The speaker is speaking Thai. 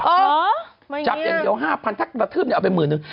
อ๋อไม่เงียบจับอย่างเดียว๕๐๐๐ถ้ากระทืบเนี่ยเอาไปหมื่นหนึ่ง